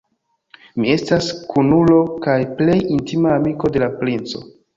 Mi estas kunulo kaj plej intima amiko de la princo.